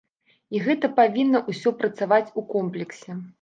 І гэта павінна ўсё працаваць у комплексе.